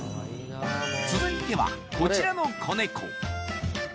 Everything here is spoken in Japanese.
続いてはこちらの子ネコ